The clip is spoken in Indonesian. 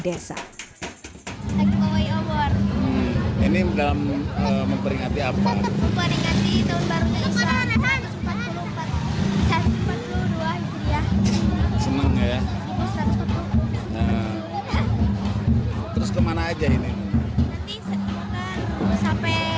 desa ini dalam memperingati apa tahun baru ke satu ratus empat puluh dua seneng ya terus ke mana aja ini sampai ke desa